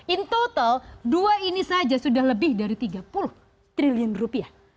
in total dua ini saja sudah lebih dari tiga puluh triliun rupiah